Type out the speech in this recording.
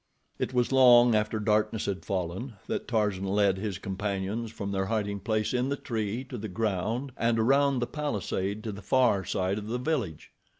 It was long after darkness had fallen, that Tarzan led his companions from their hiding place in the tree to the ground and around the palisade to the far side of the village.